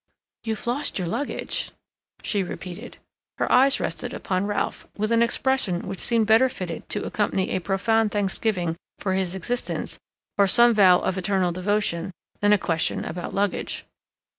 "You've lost your luggage," she repeated. Her eyes rested upon Ralph, with an expression which seemed better fitted to accompany a profound thanksgiving for his existence or some vow of eternal devotion than a question about luggage.